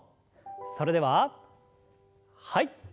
それでははい。